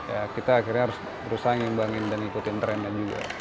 ya kita akhirnya harus berusaha mengimbangkan dan mengikuti trendnya juga